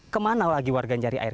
kemana lagi warga nyari air